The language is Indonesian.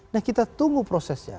nah kita tunggu prosesnya